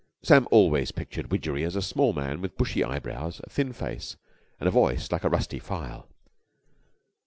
Sam always pictured Widgery as a small man with bushy eyebrows, a thin face, and a voice like a rusty file.